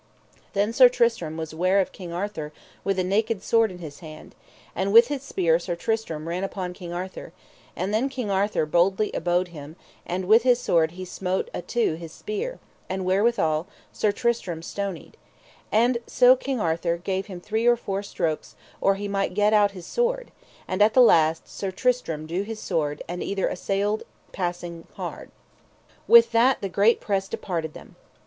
Then Sir Tristram was ware of King Arthur with a naked sword in his hand, and with his spear Sir Tristram ran upon King Arthur; and then King Arthur boldly abode him and with his sword he smote a two his spear, and therewithal Sir Tristram stonied; and so King Arthur gave him three or four strokes or he might get out his sword, and at the last Sir Tristram drew his sword and [either] assailed other passing hard. With that the great press departed [them].